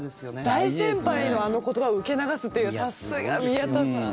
大先輩のあの言葉を受け流すって、さすが宮田さん。